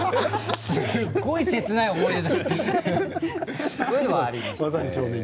すごく切ない思い出です。